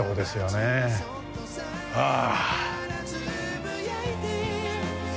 ああ。